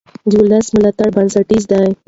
د ولس ملاتړ بنسټیز دی